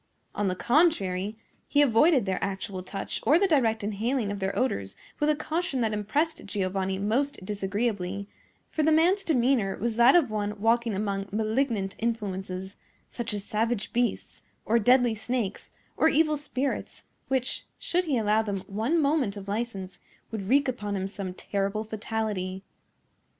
On the contrary, he avoided their actual touch or the direct inhaling of their odors with a caution that impressed Giovanni most disagreeably; for the man's demeanor was that of one walking among malignant influences, such as savage beasts, or deadly snakes, or evil spirits, which, should he allow them one moment of license, would wreak upon him some terrible fatality.